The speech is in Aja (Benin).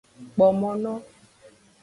Kpo mo no.